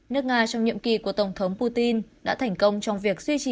nước nga trong nhiệm kỳ của tổng thống putin đã thành công trong việc